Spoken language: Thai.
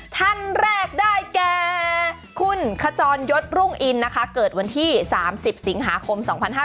ท่านแรกได้แก่คุณขจรยศรุ่งอินนะคะเกิดวันที่๓๐สิงหาคม๒๕๕๙